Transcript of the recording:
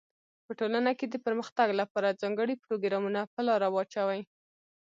په ټولنه کي د پرمختګ لپاره ځانګړي پروګرامونه په لاره واچوی.